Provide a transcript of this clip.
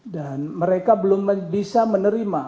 mereka belum bisa menerima